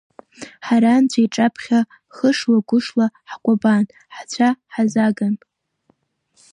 Ҳара анцәа иҿаԥхьа хышла-гәышла ҳкәабан, ҳцәа ҳазаган.